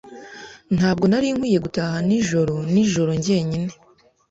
Ntabwo nari nkwiye gutaha nijoro nijoro jyenyine.